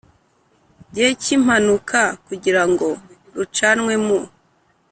gihe cy impanuka kugira ngo rucanwe mu